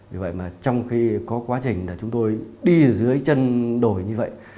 vì vậy mà trong khi có quá trình là chúng tôi đi ở dưới chân đồi như vậy